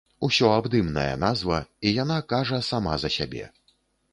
Усёабдымная назва, і яна кажа сама за сябе.